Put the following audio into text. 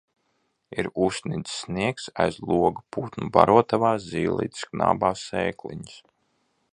Ir uzsnidzis sniegs, aiz loga putnu barotavā zīlītes knābā sēkliņas.